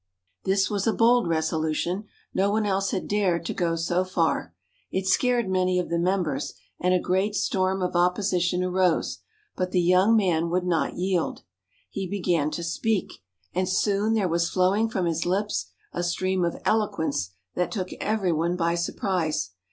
This was a bold resolution. No one else had dared to go so far. It scared many of the members, and a great storm of opposition arose, but the young man would not yield. He began to speak, and soon there was flowing from his lips a stream of eloquence that took every one by surprise.